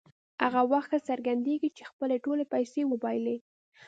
هغه وخت ښه څرګندېږي چې خپلې ټولې پیسې وبایلي.